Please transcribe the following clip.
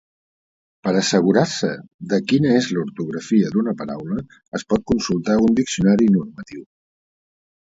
Per assegurar-se de quina és l'ortografia d'una paraula es pot consultar un diccionari normatiu.